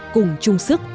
cùng chung sức